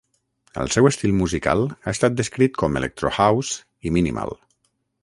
El seu estil musical ha estat descrit com electro house i minimal.